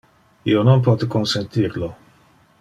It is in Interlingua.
Io non pote consentir lo.